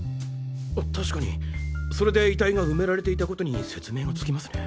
確かにそれで遺体が埋められていたことに説明がつきますね。